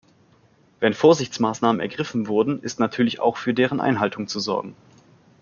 Wenn Vorsichtsmaßnahmen ergriffen wurden, ist natürlich auch für deren Einhaltung zu sorgen.